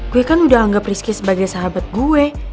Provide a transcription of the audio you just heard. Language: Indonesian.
gue kan udah anggap rizky sebagai sahabat gue